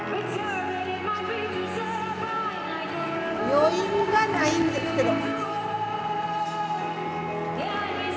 余韻がないんですけど。